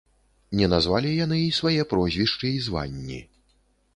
Не назвалі яны і свае прозвішчы і званні.